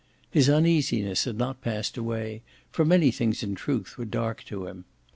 His uneasiness had not passed away, for many things in truth were dark to him.